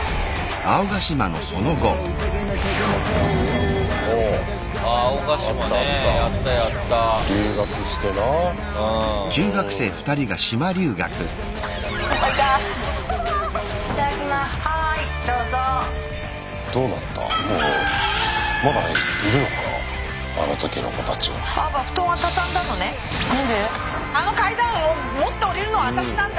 あの階段を持って下りるのは私なんだよ！